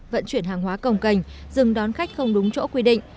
vận chuyển hàng hóa cồng cành dừng đón khách không đúng chỗ quy định